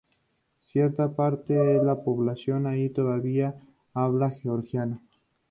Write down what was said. Cierta parte de la población allí todavía habla georgiano.